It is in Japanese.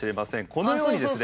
このようにですね。